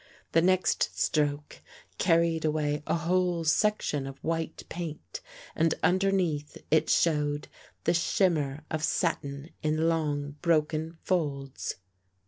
The next stroke carred away a whole section of white paint and underneath it showed the shimmer of satin in long broken folds.